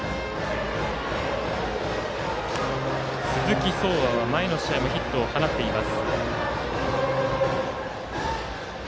鈴木爽愛は前の試合でもヒットを放っています。